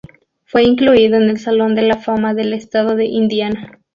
Fue incluido en el Salón de la Fama del Estado de Indiana.